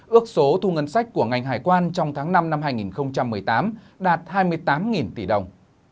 ước số thu ngân sách của ngành hải quan trong tháng năm năm hai nghìn một mươi tám đạt hai mươi tám tỷ đồng